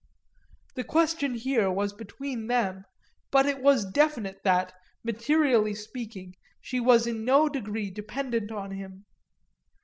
The question here was between them, but it was definite that, materially speaking, she was in no degree dependent on him.